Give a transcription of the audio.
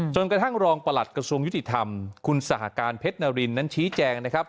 กระทั่งรองประหลัดกระทรวงยุติธรรมคุณสหการเพชรนารินนั้นชี้แจงนะครับ